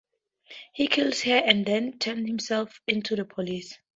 He kills her and then turns himself in to the police.